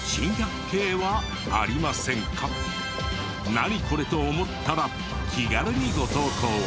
「ナニコレ？」と思ったら気軽にご投稿を。